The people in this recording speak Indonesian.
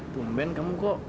pemben kamu kok